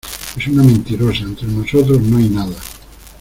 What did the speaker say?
es una mentirosa. entre nosotros no hay nada .